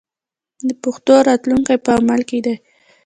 د پښتو راتلونکی په عمل کې دی.